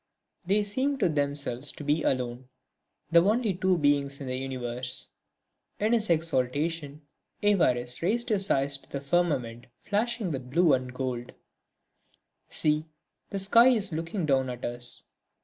They seemed to themselves to be alone, the only two beings in the universe. In his exaltation, Évariste raised his eyes to the firmament flashing with blue and gold: "See, the sky is looking down at us!